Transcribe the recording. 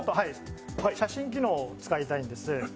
写真機能を使いたいんです。